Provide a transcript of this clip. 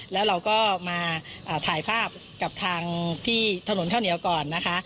แล้วเราก็มาถ่ายภาพกับทางที่ถนนข้าวเหนียวก่อนนะคะ